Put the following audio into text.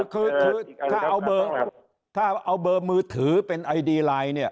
คือถ้าเอาถ้าเอาเบอร์มือถือเป็นไอดีไลน์เนี่ย